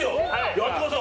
やってください。